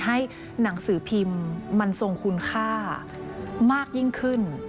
ให้หนังสือพิมพ์มันทรงคุณค่ามากยิ่งขึ้น